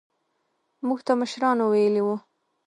موږ ته مشرانو ويلي وو.